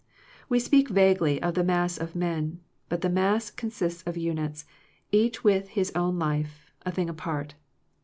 We speak vaguely of the mass of men, but the mass consists of units, each with his own life, a thing apart.